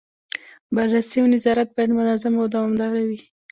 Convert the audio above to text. بررسي او نظارت باید منظم او دوامداره وي.